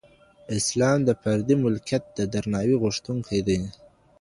اسلام د فردي ملکیت د درناوي غوښتونکی دی.